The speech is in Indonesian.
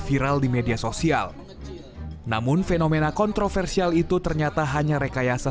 viral di media sosial namun fenomena kontroversial itu ternyata hanya rekayasa